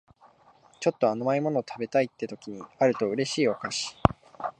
ちょっと甘い物食べたいって時にあると嬉しいお菓子